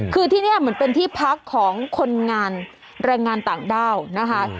คือที่นี่เหมือนเป็นที่พักของคนงานแรงงานต่างด้าวนะคะ